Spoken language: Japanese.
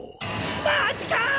マジか！